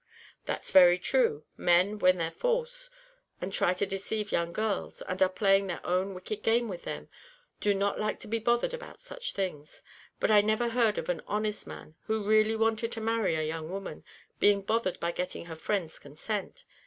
"That's very true; men, when they're false, and try to deceive young girls, and are playing their own wicked game with them, do not like to be bothered about such things. But I never heard of an honest man, who really wanted to marry a young woman, being bothered by getting her friends' consent.